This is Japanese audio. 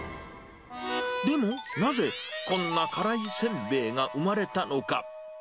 でも、なぜ、こんな辛いせんべいが生まれたのか。